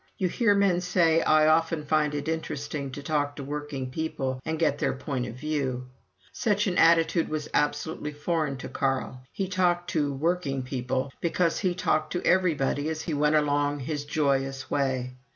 You hear men say: "I often find it interesting to talk to working people and get their view point." Such an attitude was absolutely foreign to Carl. He talked to "working people" because he talked to everybody as he went along his joyous way.